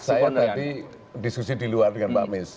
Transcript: saya tadi diskusi di luar dengan pak miss